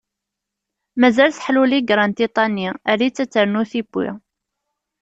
Mazal teḥluli granṭiṭa-nni, err-itt ad ternu tiwwi.